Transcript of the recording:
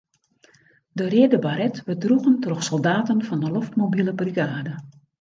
De reade baret wurdt droegen troch soldaten fan 'e loftmobile brigade.